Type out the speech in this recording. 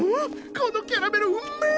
このキャラメルうめえ！